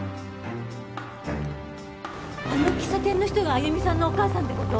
あの喫茶店の人が歩美さんのお母さんって事？